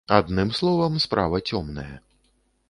Адным словам, справа цёмная.